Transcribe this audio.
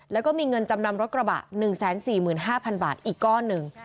แล้วก็มีเงินจำนำรถกระบะ๑๔๕๐๐บาทอีกก้อนหนึ่ง